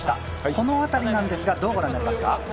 この辺りなんですが、どう御覧になりますか？